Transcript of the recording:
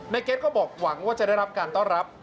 เก็ตก็บอกหวังว่าจะได้รับการต้อนรับ